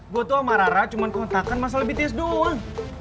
gue tuh sama rara cuma kontakan masa lebih tes doang